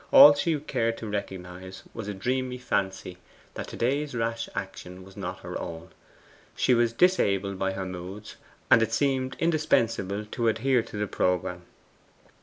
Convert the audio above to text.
All she cared to recognize was a dreamy fancy that to day's rash action was not her own. She was disabled by her moods, and it seemed indispensable to adhere to the programme.